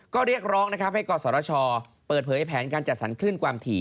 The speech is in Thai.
ก็เรียกร้องนะครับให้กศชเปิดเผยแผนการจัดสรรคลื่นความถี่